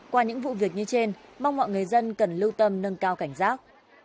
qua những vụ việc như trên mong mọi người dân cần lưu tâm nâng cao cảnh giác